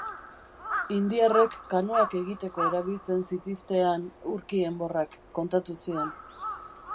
Indiarrek kanoak egiteko erabiltzen zitiztean urki enborrak, kontatu zion.